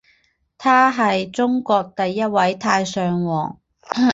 他是中国第一位太上皇。